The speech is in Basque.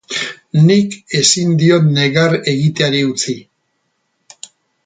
Nik ezin diot negar egiteari utzi.